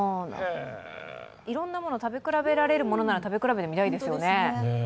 いろんなものを食べ比べられるものなら食べ比べてみたいですよね。